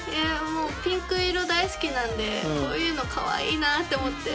ピンク色大好きなんでこういうのかわいいなって思って。